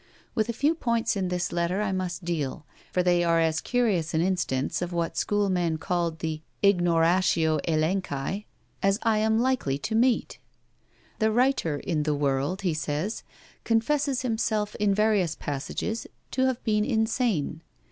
With a few points in his letter I must deal, for they are as curious an instance of what schoolmen call the ignoratio elenchi as I am likely to meet. 'The writer in the 'World,' he says, 'confesses himself in various passages to have been insane.'